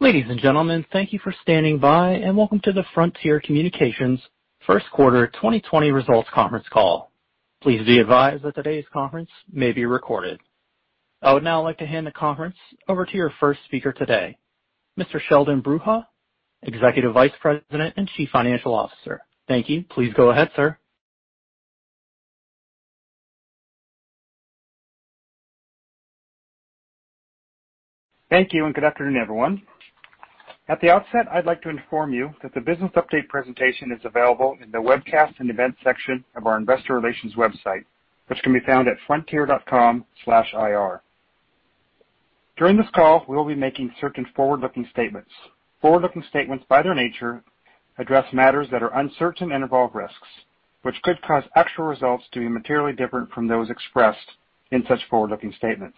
Ladies and gentlemen, thank you for standing by and welcome to the Frontier Communications first quarter 2020 results conference call. Please be advised that today's conference may be recorded. I would now like to hand the conference over to your first speaker today, Mr. Sheldon Bruha, Executive Vice President and Chief Financial Officer. Thank you. Please go ahead, sir. Thank you and good afternoon, everyone. At the outset, I'd like to inform you that the business update presentation is available in the webcast and events section of our investor relations website, which can be found at frontier.com/ir. During this call, we will be making certain forward-looking statements. Forward-looking statements, by their nature, address matters that are uncertain and involve risks, which could cause actual results to be materially different from those expressed in such forward-looking statements.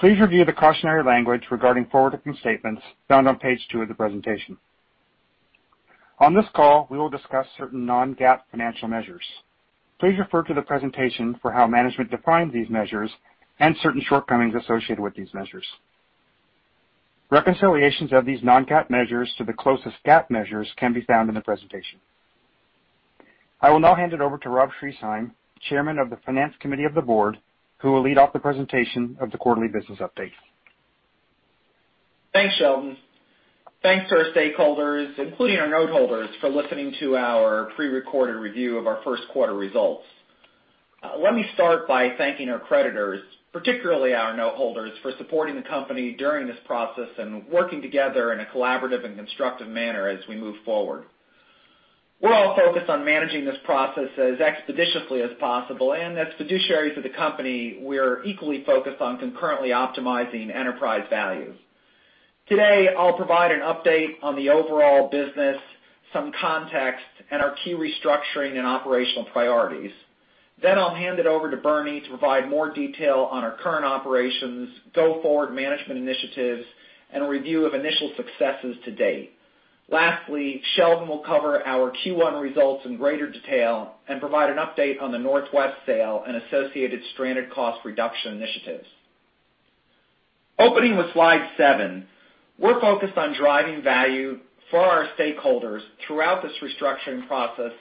Please review the cautionary language regarding forward-looking statements found on page two of the presentation. On this call, we will discuss certain non-GAAP financial measures. Please refer to the presentation for how management defines these measures and certain shortcomings associated with these measures. Reconciliations of these non-GAAP measures to the closest GAAP measures can be found in the presentation. I will now hand it over to Rob Schriesheim, Chairman of the Finance Committee of the Board, who will lead off the presentation of the quarterly business update. Thanks, Sheldon. Thanks to our stakeholders, including our note holders, for listening to our pre-recorded review of our first quarter results. Let me start by thanking our creditors, particularly our note Holders, for supporting the company during this process and working together in a collaborative and constructive manner as we move forward. We're all focused on managing this process as expeditiously as possible, and as fiduciaries of the company, we're equally focused on concurrently optimizing enterprise values. Today, I'll provide an update on the overall business, some context, and our key restructuring and operational priorities. Then I'll hand it over to Bernie to provide more detail on our current operations, go forward management initiatives, and review of initial successes to date. Lastly, Sheldon will cover our Q1 results in greater detail and provide an update on the Northwest sale and associated stranded cost reduction initiatives. Opening with slide seven, we're focused on driving value for our stakeholders throughout this restructuring process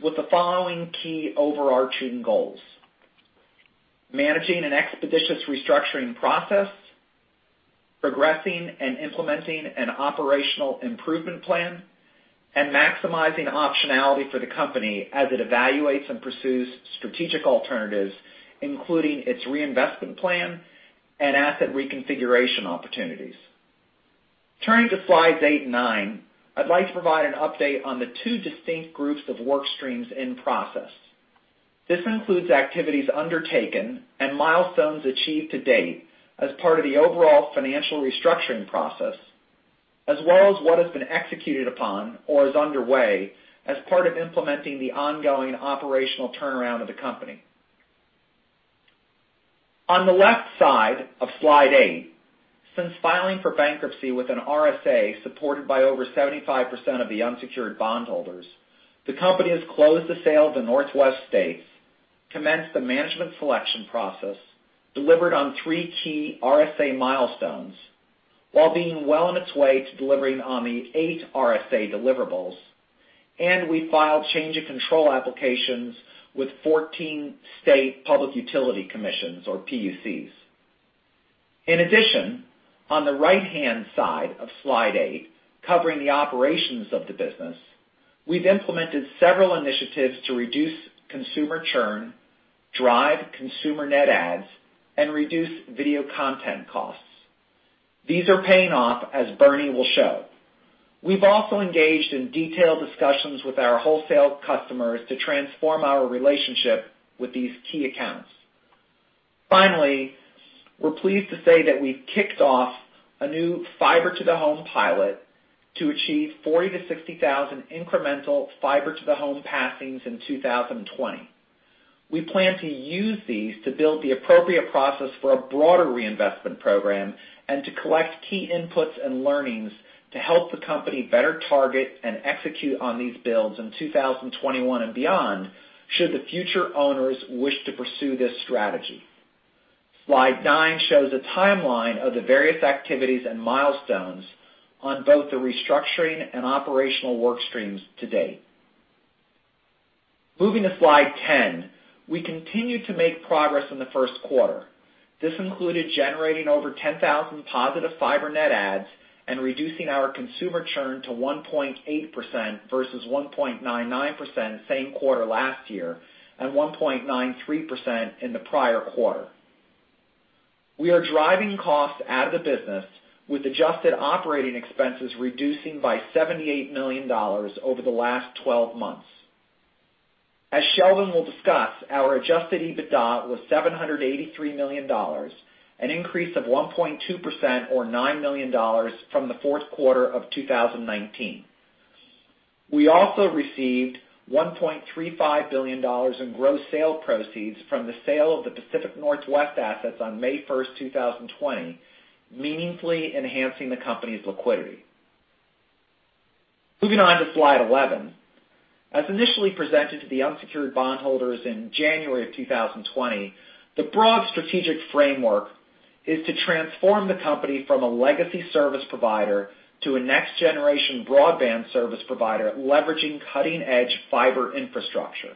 with the following key overarching goals: managing an expeditious restructuring process, progressing and implementing an operational improvement plan, and maximizing optionality for the company as it evaluates and pursues strategic alternatives, including its reinvestment plan and asset reconfiguration opportunities. Turning to slides eight and nine, I'd like to provide an update on the two distinct groups of work streams in process. This includes activities undertaken and milestones achieved to date as part of the overall financial restructuring process, as well as what has been executed upon or is underway as part of implementing the ongoing operational turnaround of the company. On the left side of slide eight, since filing for bankruptcy with an RSA supported by over 75% of the unsecured bondholders, the company has closed the sale of the Northwest states, commenced the management selection process, delivered on three key RSA milestones, while being well on its way to delivering on the eight RSA deliverables, and we filed change of control applications with 14 state public utility commissions, or PUCs. In addition, on the right-hand side of slide eight, covering the operations of the business, we've implemented several initiatives to reduce consumer churn, drive consumer net adds, and reduce video content costs. These are paying off, as Bernie will show. We've also engaged in detailed discussions with our wholesale customers to transform our relationship with these key accounts. Finally, we're pleased to say that we've kicked off a new fiber-to-the-home pilot to achieve 40,000-60,000 incremental fiber-to-the-home passings in 2020. We plan to use these to build the appropriate process for a broader reinvestment program and to collect key inputs and learnings to help the company better target and execute on these builds in 2021 and beyond should the future owners wish to pursue this strategy. Slide nine shows a timeline of the various activities and milestones on both the restructuring and operational work streams to date. Moving to slide 10, we continue to make progress in the first quarter. This included generating over 10,000 positive fiber net adds and reducing our consumer churn to 1.8% versus 1.99% same quarter last year and 1.93% in the prior quarter. We are driving costs out of the business, with adjusted operating expenses reducing by $78 million over the last 12 months. As Sheldon will discuss, our Adjusted EBITDA was $783 million, an increase of 1.2%, or $9 million from the fourth quarter of 2019. We also received $1.35 billion in gross sale proceeds from the sale of the Pacific Northwest assets on May 1st, 2020, meaningfully enhancing the company's liquidity. Moving on to slide 11. As initially presented to the unsecured bondholders in January of 2020, the broad strategic framework is to transform the company from a legacy service provider to a next-generation broadband service provider, leveraging cutting-edge fiber infrastructure.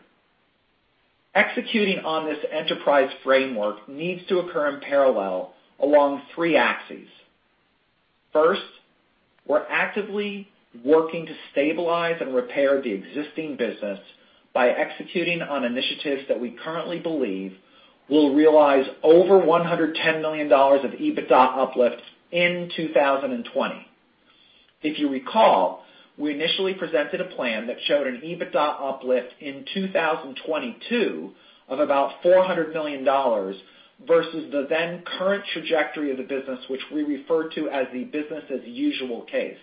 Executing on this enterprise framework needs to occur in parallel along three axes. First, we're actively working to stabilize and repair the existing business by executing on initiatives that we currently believe will realize over $110 million of EBITDA uplift in 2020. If you recall, we initially presented a plan that showed an EBITDA uplift in 2022 of about $400 million versus the then current trajectory of the business, which we refer to as the Business-as-Usual case.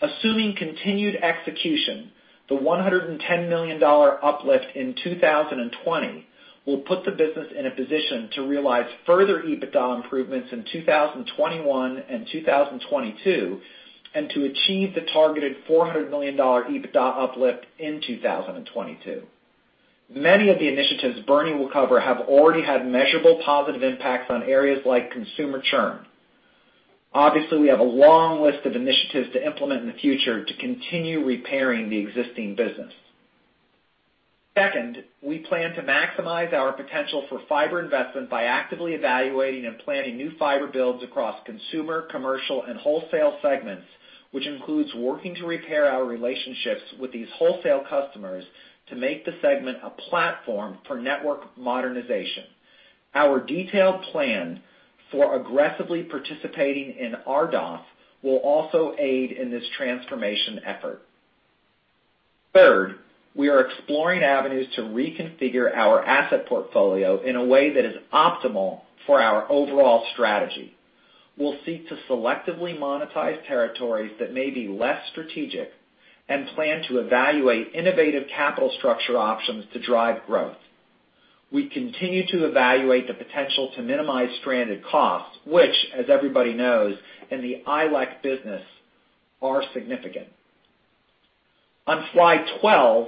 Assuming continued execution, the $110 million uplift in 2020 will put the business in a position to realize further EBITDA improvements in 2021 and 2022 and to achieve the targeted $400 million EBITDA uplift in 2022. Many of the initiatives Bernie will cover have already had measurable positive impacts on areas like consumer churn. Obviously, we have a long list of initiatives to implement in the future to continue repairing the existing business. Second, we plan to maximize our potential for fiber investment by actively evaluating and planning new fiber builds across consumer, commercial, and wholesale segments, which includes working to repair our relationships with these wholesale customers to make the segment a platform for network modernization. Our detailed plan for aggressively participating in RDOF will also aid in this transformation effort. Third, we are exploring avenues to reconfigure our asset portfolio in a way that is optimal for our overall strategy. We'll seek to selectively monetize territories that may be less strategic and plan to evaluate innovative capital structure options to drive growth. We continue to evaluate the potential to minimize stranded costs, which, as everybody knows, in the ILEC business are significant. On slide 12,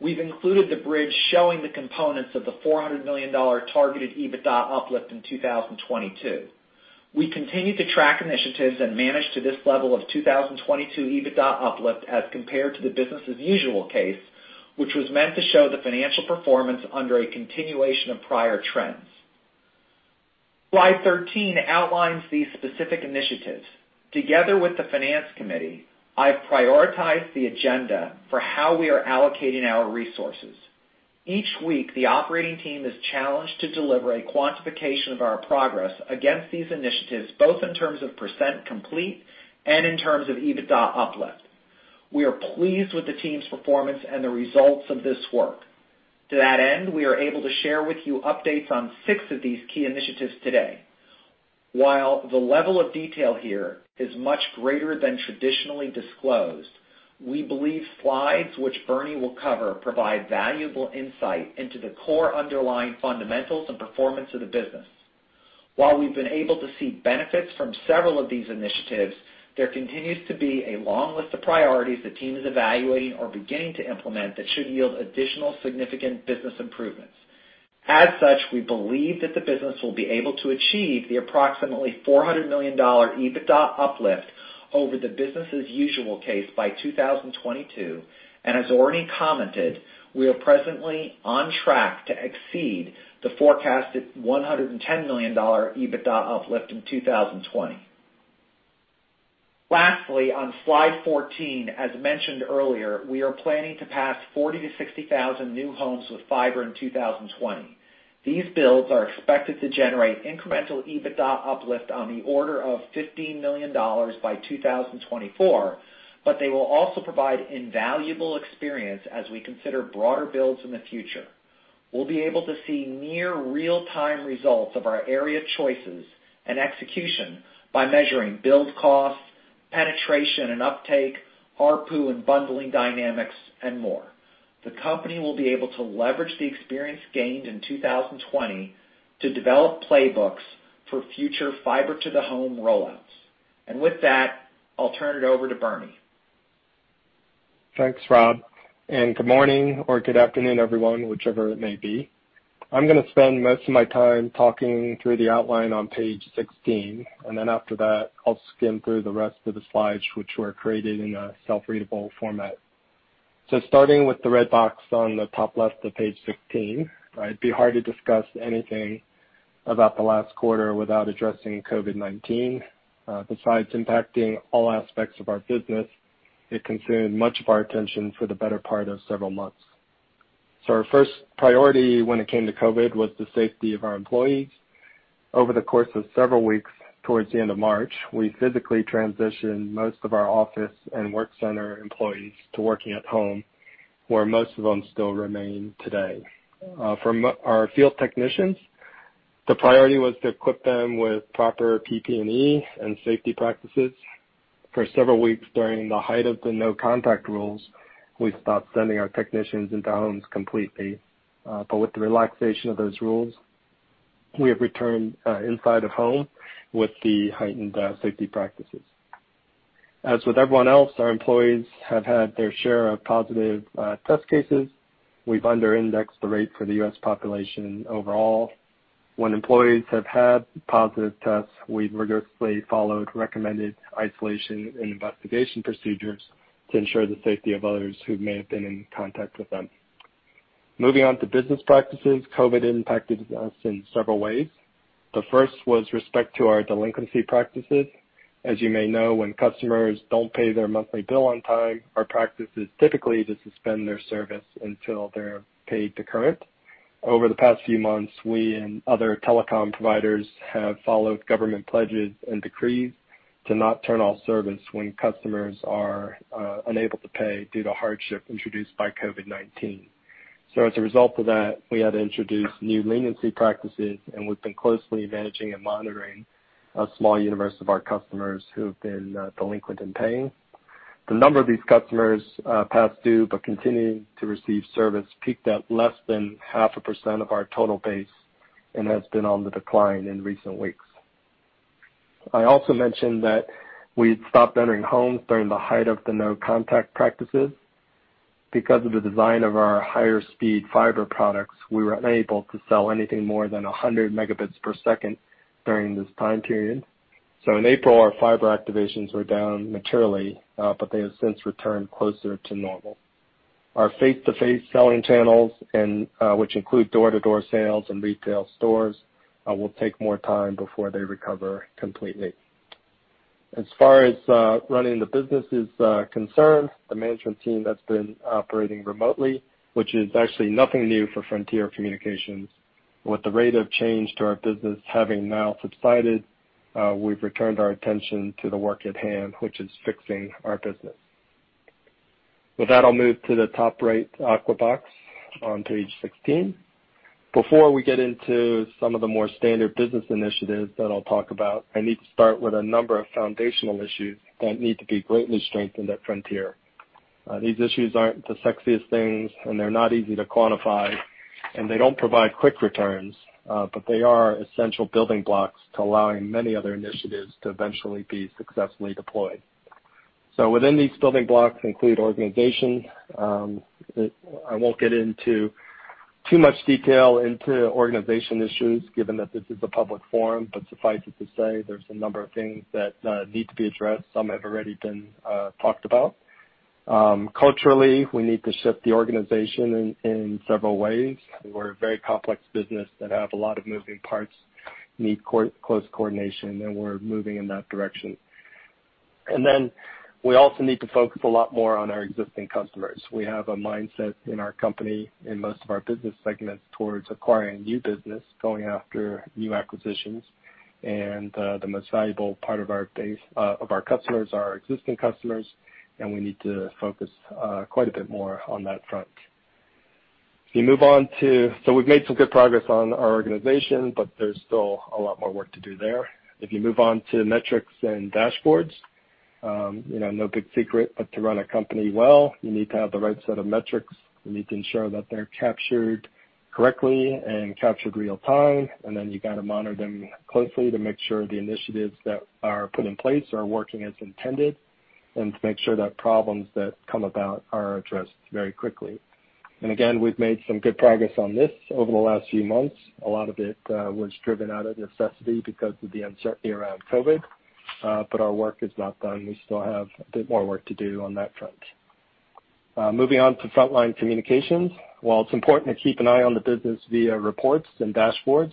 we've included the bridge showing the components of the $400 million targeted EBITDA uplift in 2022. We continue to track initiatives and manage to this level of 2022 EBITDA uplift as compared to the Business-as-Usual case, which was meant to show the financial performance under a continuation of prior trends. Slide 13 outlines these specific initiatives. Together with the Finance Committee, I've prioritized the agenda for how we are allocating our resources. Each week, the operating team is challenged to deliver a quantification of our progress against these initiatives, both in terms of % complete and in terms of EBITDA uplift. We are pleased with the team's performance and the results of this work. To that end, we are able to share with you updates on six of these key initiatives today. While the level of detail here is much greater than traditionally disclosed, we believe slides which Bernie will cover provide valuable insight into the core underlying fundamentals and performance of the business. While we've been able to see benefits from several of these initiatives, there continues to be a long list of priorities the team is evaluating or beginning to implement that should yield additional significant business improvements. As such, we believe that the business will be able to achieve the approximately $400 million EBITDA uplift over the Business-as-Usual case by 2022. And as already commented, we are presently on track to exceed the forecasted $110 million EBITDA uplift in 2020. Lastly, on slide 14, as mentioned earlier, we are planning to pass 40 to 60 thousand new homes with fiber in 2020. These builds are expected to generate incremental EBITDA uplift on the order of $15 million by 2024, but they will also provide invaluable experience as we consider broader builds in the future. We'll be able to see near real-time results of our area choices and execution by measuring build costs, penetration and uptake, ARPU and bundling dynamics, and more. The company will be able to leverage the experience gained in 2020 to develop playbooks for future fiber-to-the-home rollouts. And with that, I'll turn it over to Bernie. Thanks, Rob, and good morning or good afternoon, everyone, whichever it may be. I'm going to spend most of my time talking through the outline on page 16, and then after that, I'll skim through the rest of the slides, which were created in a self-readable format, so starting with the red box on the top left of page 16, it'd be hard to discuss anything about the last quarter without addressing COVID-19. Besides impacting all aspects of our business, it consumed much of our attention for the better part of several months, so our first priority when it came to COVID was the safety of our employees. Over the course of several weeks, towards the end of March, we physically transitioned most of our office and work center employees to working at home, where most of them still remain today. For our field technicians, the priority was to equip them with proper PPE and safety practices. For several weeks, during the height of the no-contact rules, we stopped sending our technicians into homes completely. But with the relaxation of those rules, we have returned inside homes with the heightened safety practices. As with everyone else, our employees have had their share of positive test cases. We've under-indexed the rate for the U.S. population overall. When employees have had positive tests, we've rigorously followed recommended isolation and investigation procedures to ensure the safety of others who may have been in contact with them. Moving on to business practices, COVID impacted us in several ways. The first was with respect to our delinquency practices. As you may know, when customers don't pay their monthly bill on time, our practice is typically to suspend their service until they're paid to current. Over the past few months, we and other telecom providers have followed government pledges and decrees to not turn off service when customers are unable to pay due to hardship introduced by COVID-19. So as a result of that, we had to introduce new leniency practices, and we've been closely managing and monitoring a small universe of our customers who have been delinquent in paying. The number of these customers past due but continuing to receive service peaked at less than 0.5% of our total base and has been on the decline in recent weeks. I also mentioned that we stopped entering homes during the height of the no-contact practices. Because of the design of our higher-speed fiber products, we were unable to sell anything more than 100 Mbps during this time period. So in April, our fiber activations were down materially, but they have since returned closer to normal. Our face-to-face selling channels, which include door-to-door sales and retail stores, will take more time before they recover completely. As far as running the business is concerned, the management team that's been operating remotely, which is actually nothing new for Frontier Communications, with the rate of change to our business having now subsided, we've returned our attention to the work at hand, which is fixing our business. With that, I'll move to the top right box on page 16. Before we get into some of the more standard business initiatives that I'll talk about, I need to start with a number of foundational issues that need to be greatly strengthened at Frontier. These issues aren't the sexiest things, and they're not easy to quantify, and they don't provide quick returns, but they are essential building blocks to allowing many other initiatives to eventually be successfully deployed, so within these building blocks include organization. I won't get into too much detail into organization issues, given that this is a public forum, but suffice it to say there's a number of things that need to be addressed. Some have already been talked about. Culturally, we need to shift the organization in several ways. We're a very complex business that has a lot of moving parts, need close coordination, and we're moving in that direction, and then we also need to focus a lot more on our existing customers. We have a mindset in our company and most of our business segments towards acquiring new business, going after new acquisitions. The most valuable part of our customers are our existing customers, and we need to focus quite a bit more on that front. So we've made some good progress on our organization, but there's still a lot more work to do there. If you move on to metrics and dashboards, no big secret, but to run a company well, you need to have the right set of metrics. You need to ensure that they're captured correctly and captured real time, and then you've got to monitor them closely to make sure the initiatives that are put in place are working as intended and to make sure that problems that come about are addressed very quickly. Again, we've made some good progress on this over the last few months. A lot of it was driven out of necessity because of the uncertainty around COVID, but our work is not done. We still have a bit more work to do on that front. Moving on to frontline communications. While it's important to keep an eye on the business via reports and dashboards,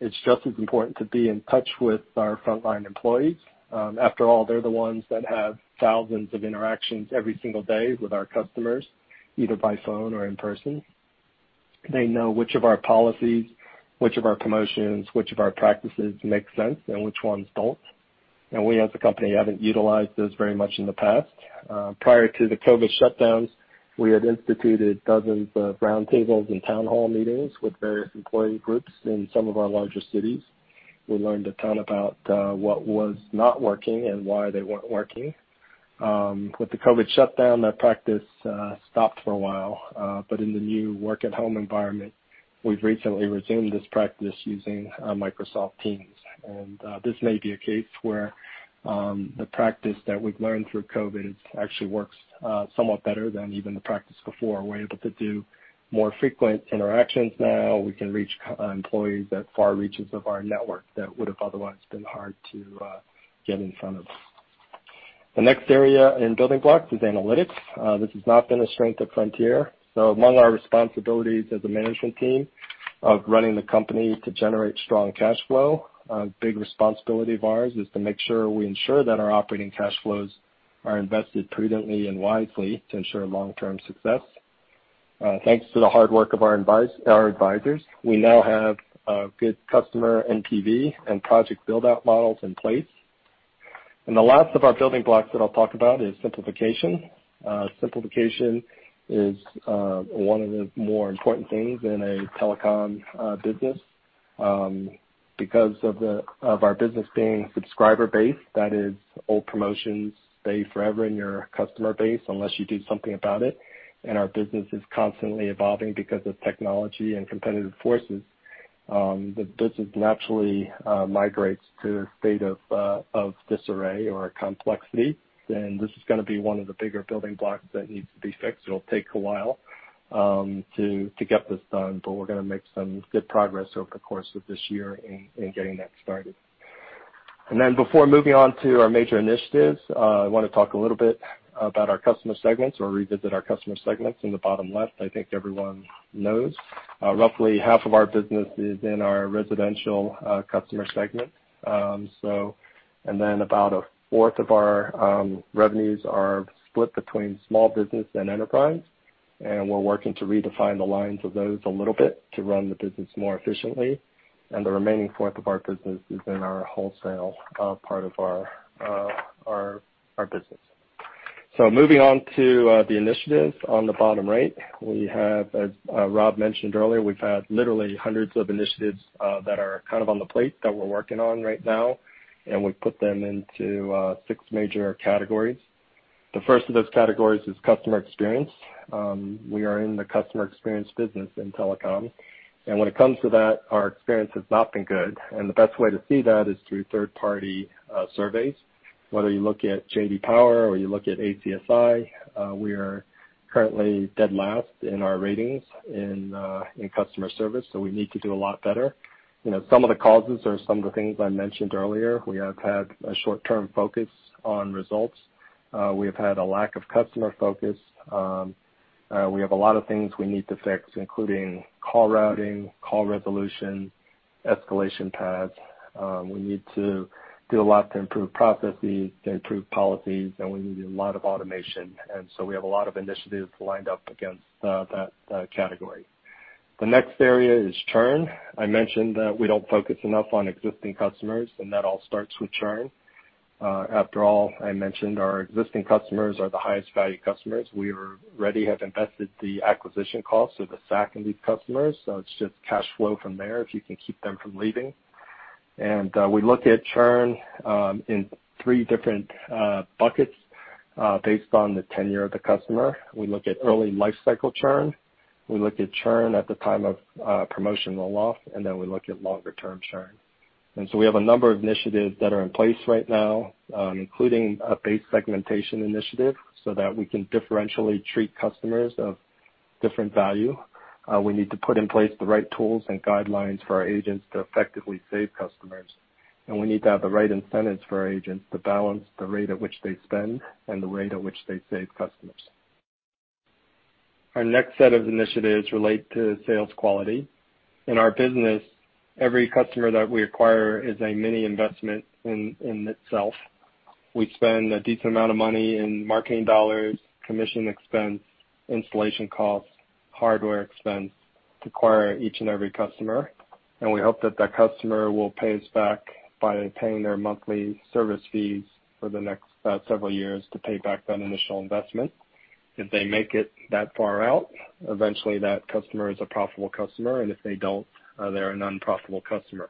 it's just as important to be in touch with our frontline employees. After all, they're the ones that have thousands of interactions every single day with our customers, either by phone or in person. They know which of our policies, which of our promotions, which of our practices make sense and which ones don't, and we as a company haven't utilized those very much in the past. Prior to the COVID shutdowns, we had instituted dozens of roundtables and town hall meetings with various employee groups in some of our larger cities. We learned a ton about what was not working and why they weren't working. With the COVID shutdown, that practice stopped for a while, but in the new work-at-home environment, we've recently resumed this practice using Microsoft Teams, and this may be a case where the practice that we've learned through COVID actually works somewhat better than even the practice before. We're able to do more frequent interactions now. We can reach employees at far reaches of our network that would have otherwise been hard to get in front of. The next area in building blocks is analytics. This has not been a strength at Frontier, so among our responsibilities as a management team of running the company to generate strong cash flow, a big responsibility of ours is to make sure we ensure that our operating cash flows are invested prudently and wisely to ensure long-term success. Thanks to the hard work of our advisors, we now have good customer NPV and project buildout models in place. The last of our building blocks that I'll talk about is simplification. Simplification is one of the more important things in a telecom business. Because of our business being subscriber-based, that is, old promotions stay forever in your customer base unless you do something about it. Our business is constantly evolving because of technology and competitive forces. The business naturally migrates to a state of disarray or complexity. This is going to be one of the bigger building blocks that needs to be fixed. It'll take a while to get this done, but we're going to make some good progress over the course of this year in getting that started. And then before moving on to our major initiatives, I want to talk a little bit about our customer segments or revisit our customer segments in the bottom left. I think everyone knows. Roughly half of our business is in our residential customer segment. And then about a fourth of our revenues are split between small business and enterprise. And we're working to redefine the lines of those a little bit to run the business more efficiently. And the remaining fourth of our business is in our wholesale part of our business. So moving on to the initiatives on the bottom right, we have, as Rob mentioned earlier, we've had literally hundreds of initiatives that are kind of on the plate that we're working on right now. And we've put them into six major categories. The first of those categories is customer experience. We are in the customer experience business in telecom, and when it comes to that, our experience has not been good, and the best way to see that is through third-party surveys. Whether you look at J.D. Power or you look at ACSI, we are currently dead last in our ratings in customer service, so we need to do a lot better. Some of the causes are some of the things I mentioned earlier. We have had a short-term focus on results. We have had a lack of customer focus. We have a lot of things we need to fix, including call routing, call resolution, escalation paths. We need to do a lot to improve processes, to improve policies, and we need a lot of automation, and so we have a lot of initiatives lined up against that category. The next area is churn. I mentioned that we don't focus enough on existing customers, and that all starts with churn. After all, I mentioned our existing customers are the highest value customers. We already have invested the acquisition costs or the SAC in these customers, so it's just cash flow from there if you can keep them from leaving, and we look at churn in three different buckets based on the tenure of the customer. We look at early life cycle churn. We look at churn at the time of promotional loss, and then we look at longer-term churn, and so we have a number of initiatives that are in place right now, including a base segmentation initiative so that we can differentially treat customers of different value. We need to put in place the right tools and guidelines for our agents to effectively save customers. And we need to have the right incentives for our agents to balance the rate at which they spend and the rate at which they save customers. Our next set of initiatives relate to sales quality. In our business, every customer that we acquire is a mini investment in itself. We spend a decent amount of money in marketing dollars, commission expense, installation costs, hardware expense to acquire each and every customer. And we hope that that customer will pay us back by paying their monthly service fees for the next several years to pay back that initial investment. If they make it that far out, eventually that customer is a profitable customer. And if they don't, they're an unprofitable customer.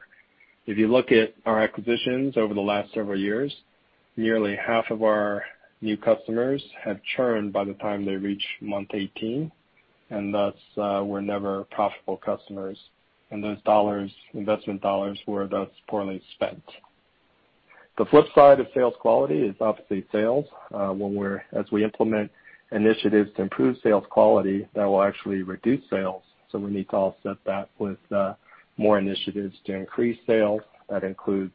If you look at our acquisitions over the last several years, nearly half of our new customers have churned by the time they reach month 18. Thus, we're never profitable customers. And those investment dollars were thus poorly spent. The flip side of sales quality is obviously sales. As we implement initiatives to improve sales quality, that will actually reduce sales. So we need to offset that with more initiatives to increase sales. That includes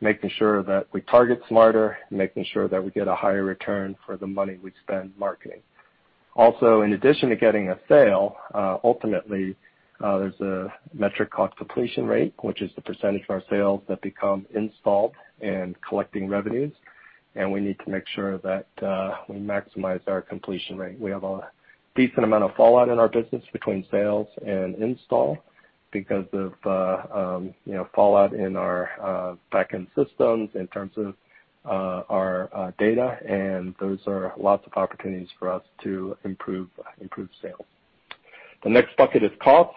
making sure that we target smarter, making sure that we get a higher return for the money we spend marketing. Also, in addition to getting a sale, ultimately, there's a metric called completion rate, which is the percentage of our sales that become installed and collecting revenues. And we need to make sure that we maximize our completion rate. We have a decent amount of fallout in our business between sales and install because of fallout in our backend systems in terms of our data. And those are lots of opportunities for us to improve sales. The next bucket is costs.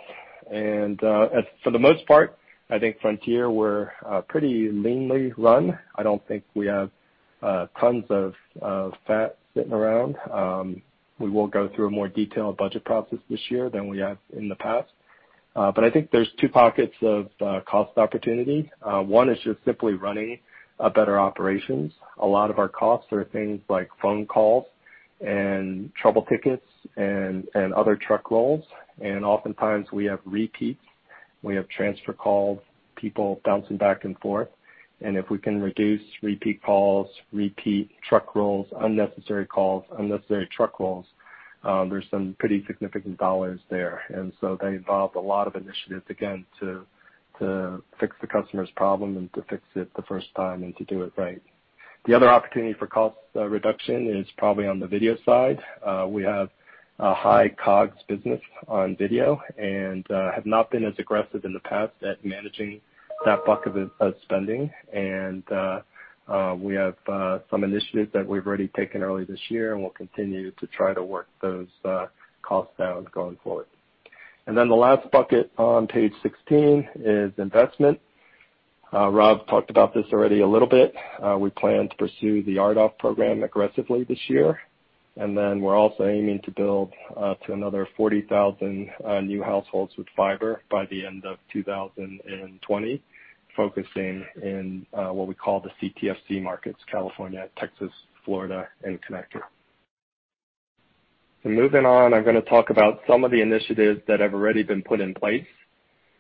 And for the most part, I think Frontier, we're pretty leanly run. I don't think we have tons of fat sitting around. We will go through a more detailed budget process this year than we have in the past. But I think there's two pockets of cost opportunity. One is just simply running better operations. A lot of our costs are things like phone calls and trouble tickets and other truck rolls. And oftentimes, we have repeats. We have transfer calls, people bouncing back and forth. And if we can reduce repeat calls, repeat truck rolls, unnecessary calls, unnecessary truck rolls, there's some pretty significant dollars there. And so they involve a lot of initiatives, again, to fix the customer's problem and to fix it the first time and to do it right. The other opportunity for cost reduction is probably on the video side. We have a high COGS business on video and have not been as aggressive in the past at managing that bucket of spending. We have some initiatives that we've already taken early this year and will continue to try to work those costs down going forward. The last bucket on page 16 is investment. Rob talked about this already a little bit. We plan to pursue the RDOF program aggressively this year. We're also aiming to build to another 40,000 new households with fiber by the end of 2020, focusing in what we call the CTFC markets: California, Texas, Florida, and Connecticut. Moving on, I'm going to talk about some of the initiatives that have already been put in place.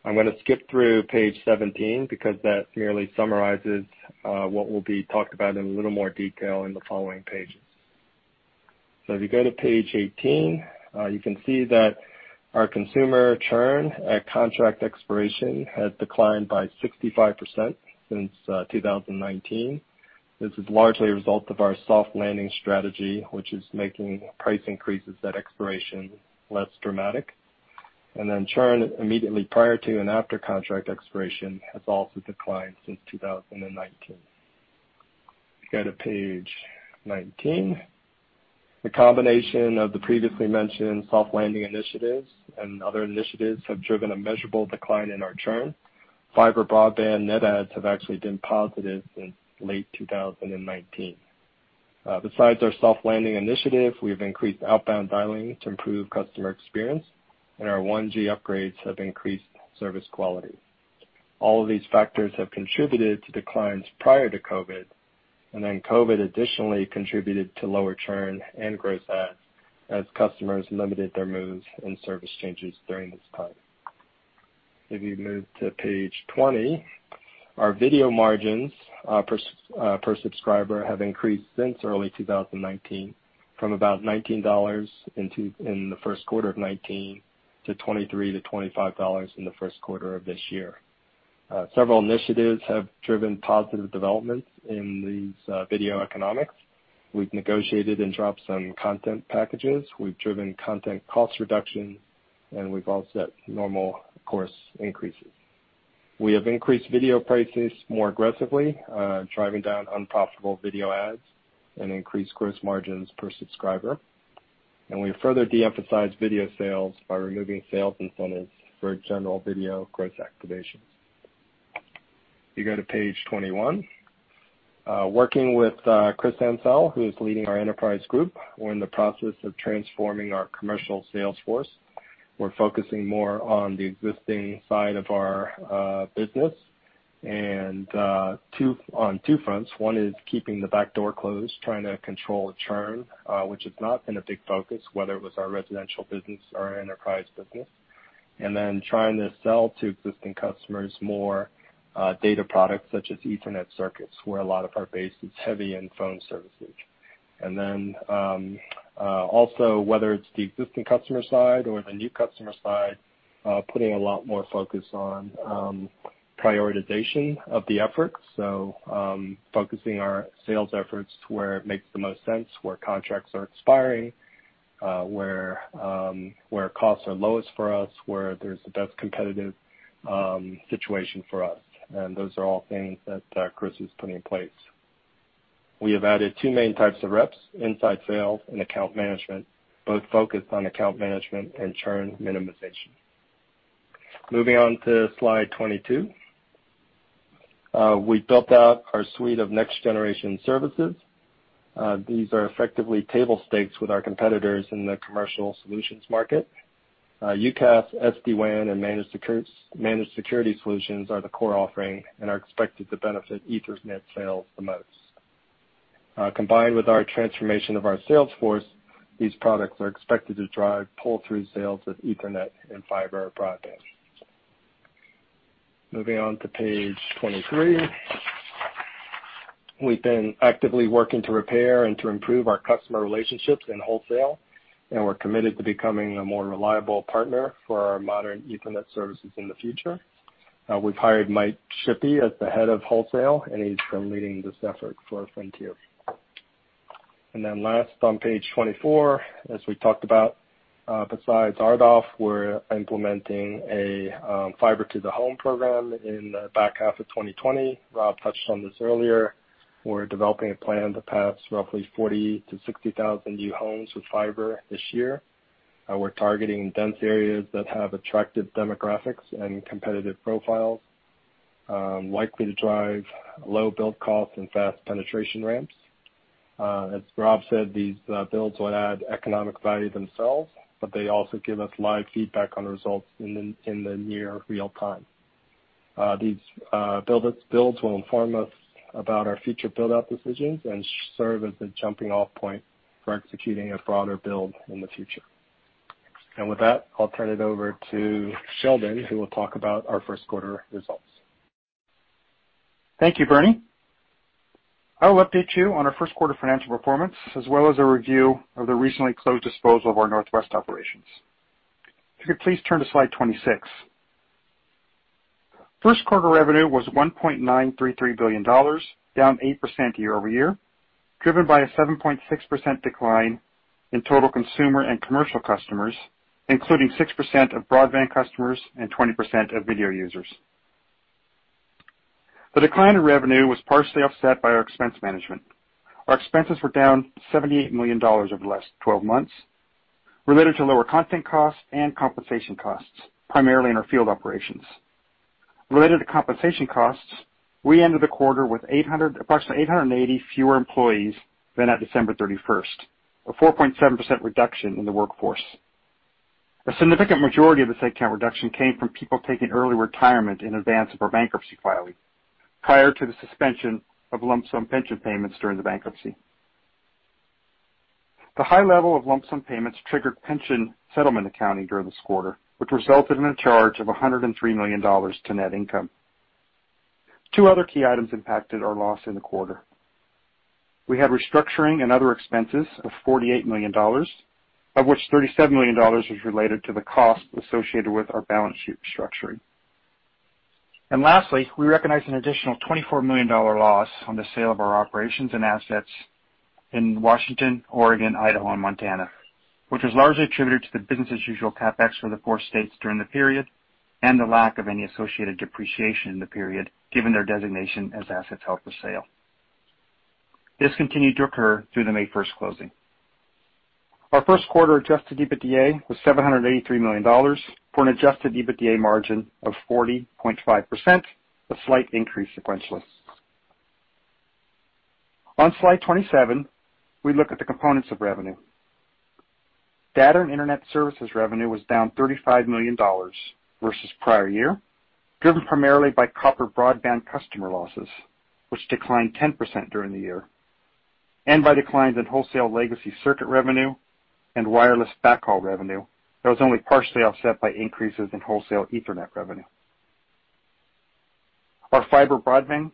I'm going to skip through page 17 because that merely summarizes what will be talked about in a little more detail in the following pages, so if you go to page 18, you can see that our consumer churn at contract expiration has declined by 65% since 2019. This is largely a result of our soft landing strategy, which is making price increases at expiration less dramatic, and then churn immediately prior to and after contract expiration has also declined since 2019. Go to page 19. The combination of the previously mentioned soft landing initiatives and other initiatives have driven a measurable decline in our churn. Fiber broadband net adds have actually been positive since late 2019. Besides our soft landing initiative, we have increased outbound dialing to improve customer experience, and our 1G upgrades have increased service quality. All of these factors have contributed to declines prior to COVID. And then COVID additionally contributed to lower churn and gross adds as customers limited their moves and service changes during this time. If you move to page 20, our video margins per subscriber have increased since early 2019 from about $19 in the first quarter of 2019 to $23-$25 in the first quarter of this year. Several initiatives have driven positive developments in these video economics. We've negotiated and dropped some content packages. We've driven content cost reductions, and we've offset normal course increases. We have increased video prices more aggressively, driving down unprofitable video adds and increased gross margins per subscriber. And we have further de-emphasized video sales by removing sales incentives for general video gross activation. If you go to page 21, working with Chris Ancell, who is leading our enterprise group, we're in the process of transforming our commercial sales force. We're focusing more on the existing side of our business on two fronts. One is keeping the back door closed, trying to control churn, which has not been a big focus, whether it was our residential business or enterprise business. And then trying to sell to existing customers more data products such as Ethernet circuits, where a lot of our base is heavy in phone services. And then also, whether it's the existing customer side or the new customer side, putting a lot more focus on prioritization of the efforts. So focusing our sales efforts to where it makes the most sense, where contracts are expiring, where costs are lowest for us, where there's the best competitive situation for us. And those are all things that Chris is putting in place. We have added two main types of reps: inside sales and account management, both focused on account management and churn minimization. Moving on to slide 22, we built out our suite of next-generation services. These are effectively table stakes with our competitors in the commercial solutions market. UCaaS, SD-WAN, and managed security solutions are the core offering and are expected to benefit Ethernet sales the most. Combined with our transformation of our sales force, these products are expected to drive pull-through sales of Ethernet and fiber broadband. Moving on to page 23, we've been actively working to repair and to improve our customer relationships in wholesale, and we're committed to becoming a more reliable partner for our modern Ethernet services in the future. We've hired Mike Shippey as the head of wholesale, and he's been leading this effort for Frontier. Then last on page 24, as we talked about, besides RDOF, we're implementing a fiber-to-the-home program in the back half of 2020. Rob touched on this earlier. We're developing a plan to pass roughly 40,000-60,000 new homes with fiber this year. We're targeting dense areas that have attractive demographics and competitive profiles, likely to drive low build costs and fast penetration ramps. As Rob said, these builds will add economic value themselves, but they also give us live feedback on results in the near real time. These builds will inform us about our future build-out decisions and serve as a jumping-off point for executing a broader build in the future. With that, I'll turn it over to Sheldon, who will talk about our first-quarter results. Thank you, Bernie. I will update you on our first-quarter financial performance, as well as a review of the recently closed disposal of our Northwest operations. If you could please turn to slide 26. First-quarter revenue was $1.933 billion, down 8% year-over-year, driven by a 7.6% decline in total consumer and commercial customers, including 6% of broadband customers and 20% of video users. The decline in revenue was partially offset by our expense management. Our expenses were down $78 million over the last 12 months, related to lower content costs and compensation costs, primarily in our field operations. Related to compensation costs, we ended the quarter with approximately 880 fewer employees than at December 31st, a 4.7% reduction in the workforce. A significant majority of this account reduction came from people taking early retirement in advance of our bankruptcy filing, prior to the suspension of lump sum pension payments during the bankruptcy. The high level of lump sum payments triggered pension settlement accounting during this quarter, which resulted in a charge of $103 million to net income. Two other key items impacted our loss in the quarter. We had restructuring and other expenses of $48 million, of which $37 million was related to the cost associated with our balance sheet restructuring. And lastly, we recognize an additional $24 million loss on the sale of our operations and assets in Washington, Oregon, Idaho, and Montana, which was largely attributed to the Business-as-Usual CapEx for the four states during the period and the lack of any associated depreciation in the period, given their designation as assets held for sale. This continued to occur through the May 1st closing. Our first-quarter Adjusted EBITDA was $783 million for an Adjusted EBITDA margin of 40.5%, a slight increase sequentially. On slide 27, we look at the components of revenue. Data and internet services revenue was down $35 million versus prior year, driven primarily by copper broadband customer losses, which declined 10% during the year, and by declines in wholesale legacy circuit revenue and wireless backhaul revenue that was only partially offset by increases in wholesale Ethernet revenue. Our fiber broadband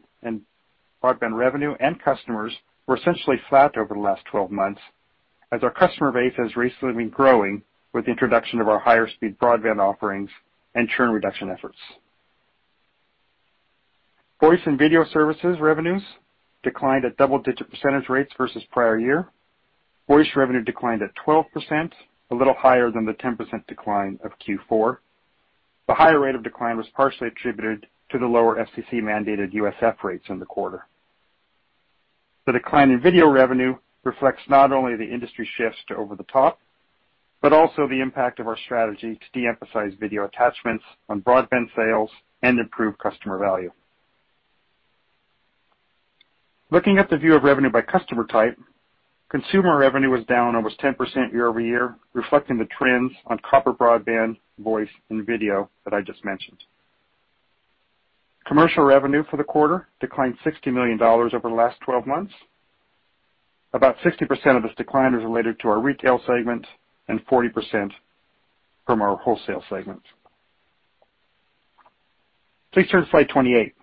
revenue and customers were essentially flat over the last 12 months, as our customer base has recently been growing with the introduction of our higher-speed broadband offerings and churn reduction efforts. Voice and video services revenues declined at double-digit percentage rates versus prior year. Voice revenue declined at 12%, a little higher than the 10% decline of Q4. The higher rate of decline was partially attributed to the lower FCC-mandated USF rates in the quarter. The decline in video revenue reflects not only the industry shift over the top, but also the impact of our strategy to de-emphasize video attachments on broadband sales and improve customer value. Looking at the view of revenue by customer type, consumer revenue was down almost 10% year-over-year, reflecting the trends on copper broadband, voice, and video that I just mentioned. Commercial revenue for the quarter declined $60 million over the last 12 months. About 60% of this decline is related to our retail segment and 40% from our wholesale segment. Please turn to slide 28.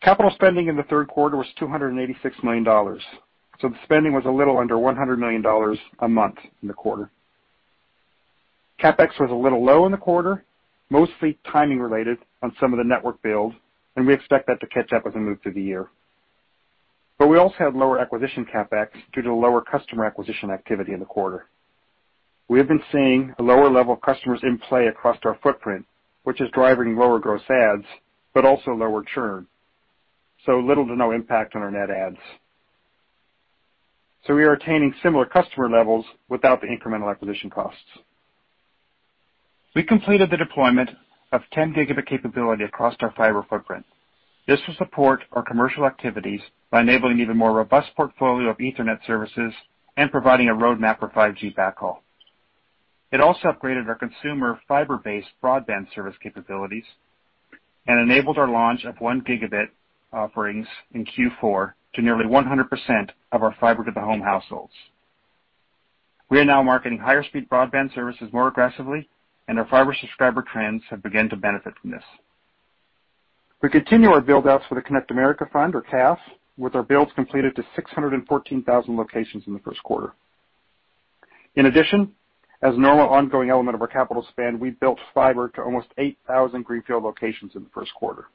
Capital spending in the third quarter was $286 million. So the spending was a little under $100 million a month in the quarter. CapEx was a little low in the quarter, mostly timing related on some of the network build, and we expect that to catch up as we move through the year. But we also had lower acquisition CapEx due to lower customer acquisition activity in the quarter. We have been seeing a lower level of customers in play across our footprint, which is driving lower gross adds, but also lower churn. So little to no impact on our net adds. So we are attaining similar customer levels without the incremental acquisition costs. We completed the deployment of 10 Gb capability across our fiber footprint. This will support our commercial activities by enabling an even more robust portfolio of Ethernet services and providing a roadmap for 5G backhaul. It also upgraded our consumer fiber-based broadband service capabilities and enabled our launch of 1 Gb offerings in Q4 to nearly 100% of our fiber-to-the-home households. We are now marketing higher-speed broadband services more aggressively, and our fiber subscriber trends have begun to benefit from this. We continue our build-outs for the Connect America Fund, or CAF, with our builds completed to 614,000 locations in the first quarter. In addition, as a normal ongoing element of our capital plan, we built fiber to almost 8,000 greenfield locations in the first quarter,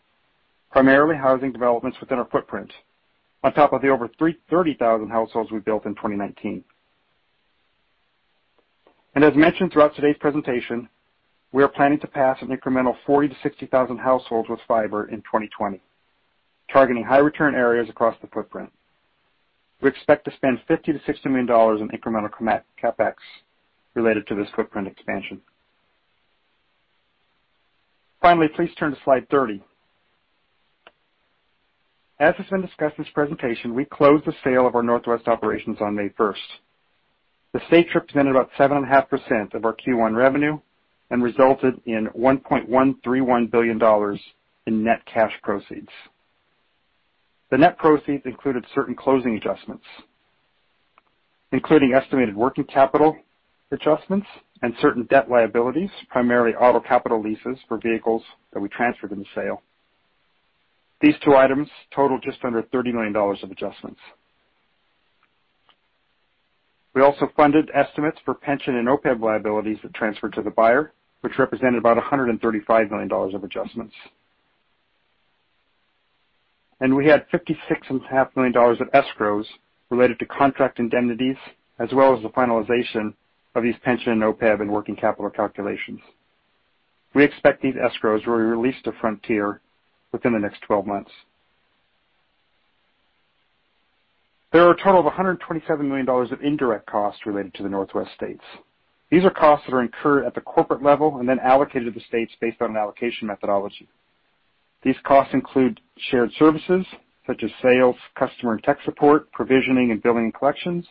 primarily housing developments within our footprint, on top of the over 30,000 households we built in 2019. And as mentioned throughout today's presentation, we are planning to pass an incremental 40,000-60,000 households with fiber in 2020, targeting high-return areas across the footprint. We expect to spend $50 million-$60 million in incremental CapEx related to this footprint expansion. Finally, please turn to slide 30. As has been discussed in this presentation, we closed the sale of our Northwest operations on May 1st. The sale represented about 7.5% of our Q1 revenue and resulted in $1.131 billion in net cash proceeds. The net proceeds included certain closing adjustments, including estimated working capital adjustments and certain debt liabilities, primarily auto capital leases for vehicles that we transferred in the sale. These two items totaled just under $30 million of adjustments. We also funded estimates for pension and OPEB liabilities that transferred to the buyer, which represented about $135 million of adjustments. We had $56.5 million of escrows related to contract indemnities as well as the finalization of these pension and OPEB and working capital calculations. We expect these escrows will be released to Frontier within the next 12 months. There are a total of $127 million of indirect costs related to the Northwest states. These are costs that are incurred at the corporate level and then allocated to the states based on an allocation methodology. These costs include shared services such as sales, customer and tech support, provisioning, and billing and collections.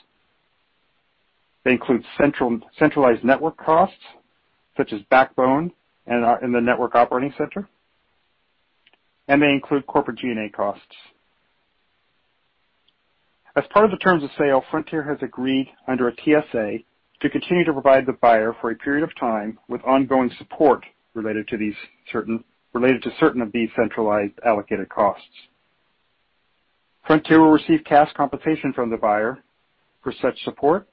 They include centralized network costs such as backbone in the network operating center, and they include corporate G&A costs. As part of the terms of sale, Frontier has agreed under a TSA to continue to provide the buyer for a period of time with ongoing support related to certain of these centralized allocated costs. Frontier will receive cash compensation from the buyer for such support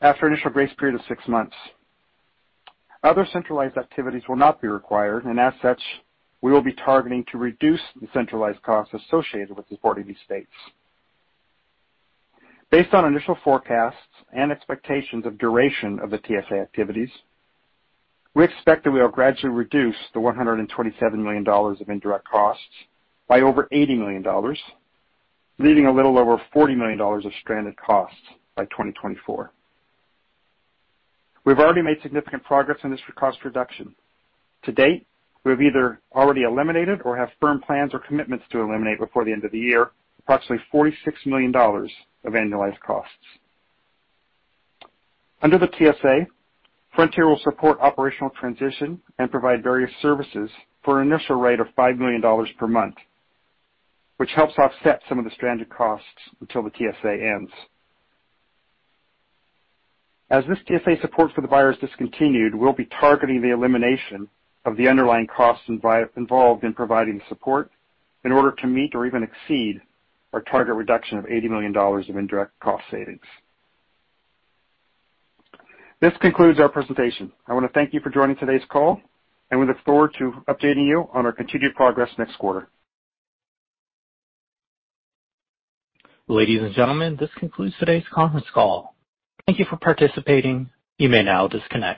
after an initial grace period of six months. Other centralized activities will not be required, and as such, we will be targeting to reduce the centralized costs associated with supporting these states. Based on initial forecasts and expectations of duration of the TSA activities, we expect that we will gradually reduce the $127 million of indirect costs by over $80 million, leaving a little over $40 million of stranded costs by 2024. We've already made significant progress in this cost reduction. To date, we have either already eliminated or have firm plans or commitments to eliminate before the end of the year approximately $46 million of annualized costs. Under the TSA, Frontier will support operational transition and provide various services for an initial rate of $5 million per month, which helps offset some of the stranded costs until the TSA ends. As this TSA support for the buyer is discontinued, we'll be targeting the elimination of the underlying costs involved in providing support in order to meet or even exceed our target reduction of $80 million of indirect cost savings. This concludes our presentation. I want to thank you for joining today's call, and we look forward to updating you on our continued progress next quarter. Ladies and gentlemen, this concludes today's conference call. Thank you for participating. You may now disconnect.